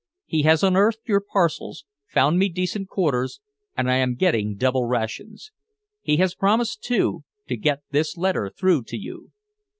He has unearthed your parcels, found me decent quarters, and I am getting double rations. He has promised, too, to get this letter through to you.